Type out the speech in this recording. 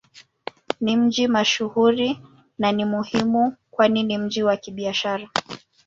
Ni mji mashuhuri na ni muhimu kwani ni mji wa Kibiashara.